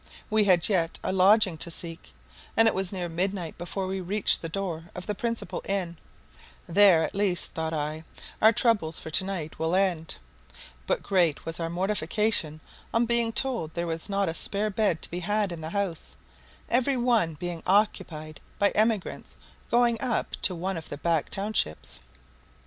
We had yet a lodging to seek, and it was near midnight before we reached the door of the principal inn; there, at least, thought I, our troubles for to night will end; but great was our mortification on being told there was not a spare bed to be had in the house, every one being occupied by emigrants going up to one of the back townships.